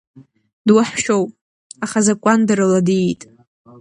Дуаҳәшьоуп, аха закәандарыла диит.